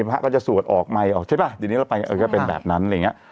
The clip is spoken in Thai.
พระก็จะสวดออกใหม่ออกใช่ป่ะเดี๋ยวนี้เราไปก็เป็นแบบนั้นอะไรอย่างเงี้ย